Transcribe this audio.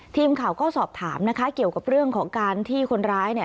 ทีมข่าวก็สอบถามนะคะเกี่ยวกับเรื่องของการที่คนร้ายเนี่ย